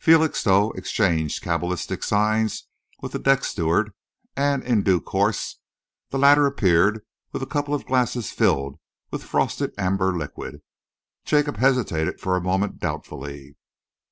Felixstowe exchanged cabalistic signs with the deck steward, and in due course the latter appeared with a couple of glasses filled with frosted amber liquid. Jacob hesitated for a moment doubtfully.